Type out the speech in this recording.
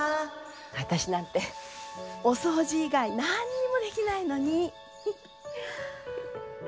私なんてお掃除以外何にもできないのに。